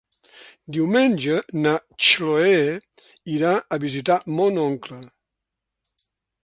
Diumenge na Chloé irà a visitar mon oncle.